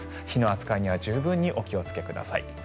火の扱いには十分にお気をつけください。